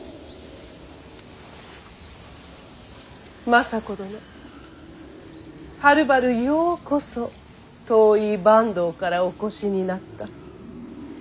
政子殿はるばるようこそ遠い坂東からお越しになった。